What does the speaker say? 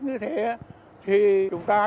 như thế thì chúng ta